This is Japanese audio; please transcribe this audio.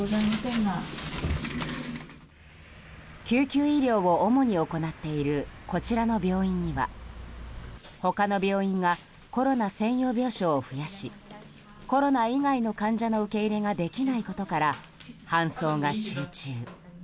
救急医療を主に行っているこちらの病院には他の病院がコロナ専用病床を増やしコロナ以外の患者の受け入れができないことから搬送が集中。